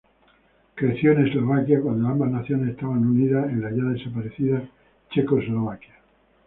Creció en Eslovaquia, cuando ambas naciones estaban unidas en la ya desaparecida Checoslovaquia.